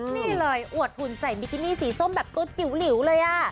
นี่เลยอวดหุ่นใส่บิกินี่สีส้มแบบตัวจิ๋วหลิวเลย